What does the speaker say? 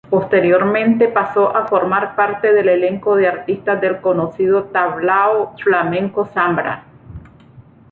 Posteriormente pasó a formar parte del elenco de artistas del conocido tablao flamenco Zambra.